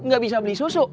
gak bisa beli susu